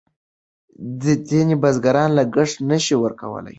ځینې بزګران لګښت نه شي ورکولای.